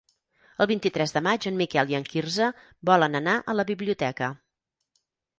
El vint-i-tres de maig en Miquel i en Quirze volen anar a la biblioteca.